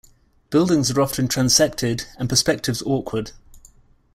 Buildings are often transected, and perspectives awkward.